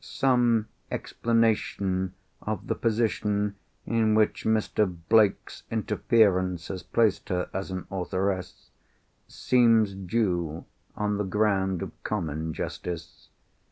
Some explanation of the position in which Mr. Blake's interference has placed her as an authoress, seems due on the ground of common justice.